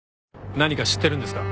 何か知ってるんですか？